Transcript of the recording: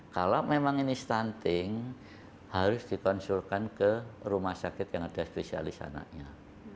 kalau memang ini stunting harus dikonsulkan ke rumah sakit yang ada spesialis anaknya